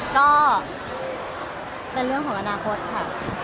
ก็เป็นเรื่องของอนาคตค่ะ